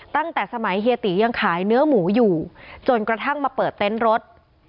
ตั้งแต่สมัยเฮียตียังขายเนื้อหมูอยู่จนกระทั่งมาเปิดเต็นต์รถ